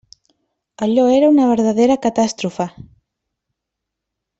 Allò era una verdadera catàstrofe!